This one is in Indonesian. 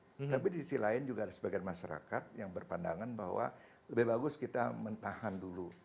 tapi di sisi lain juga ada sebagian masyarakat yang berpandangan bahwa lebih bagus kita mentahan dulu